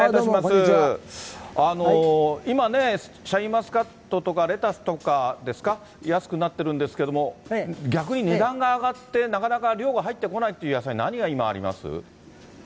今ね、シャインマスカットとかレタスとかですか、安くなってるんですけども、逆に値段が上がって、なかなか量が入ってこないっていう野菜、何が今、あります？